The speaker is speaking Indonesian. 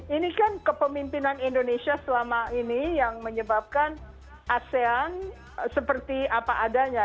ini kan kepemimpinan indonesia selama ini yang menyebabkan asean seperti apa adanya